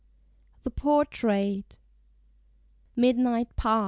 THE PORTRAIT. Midnight past!